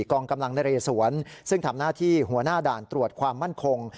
กองกำลังนเรสวนซึ่งทำหน้าที่หัวหน้าด่านตรวจความมั่นคง